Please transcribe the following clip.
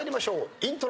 イントロ。